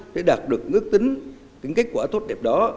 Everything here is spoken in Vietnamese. để đạt được ước tính những kết quả tốt đẹp đó